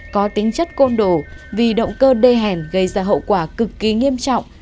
có tính chất côn đồ vì động cơ đê hẻm gây ra hậu quả cực kỳ nghiêm trọng